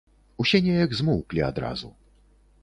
Усе неяк змоўклі адразу.